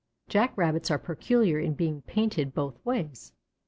Jack rabbits are peculiar in being painted both ways.